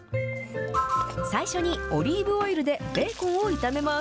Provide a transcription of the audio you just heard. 最初にオリーブオイルでベーコンを炒めます。